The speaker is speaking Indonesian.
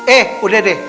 eh udah deh